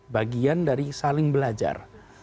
bagian dari saling belajar